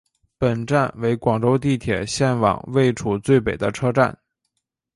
本站为广州地铁线网位处最北的车站。